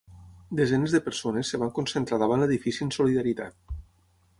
Desenes de persones es van concentrar davant l’edifici en solidaritat.